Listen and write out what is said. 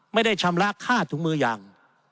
ไม่ได้ชำระค่าถุงมือยาง